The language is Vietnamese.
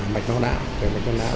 mạch môn áo